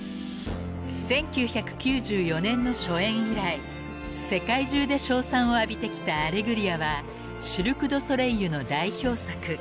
［１９９４年の初演以来世界中で称賛を浴びてきた『アレグリア』はシルク・ドゥ・ソレイユの代表作］